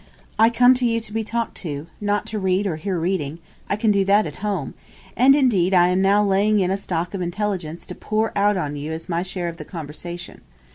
I come to you to be talked to, not to read or hear reading; I can do that at home; and indeed I am now laying in a stock of intelligence to pour out on you as my share of the conversation.